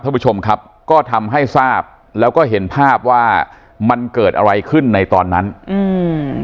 ท่านผู้ชมครับก็ทำให้ทราบแล้วก็เห็นภาพว่ามันเกิดอะไรขึ้นในตอนนั้นอืม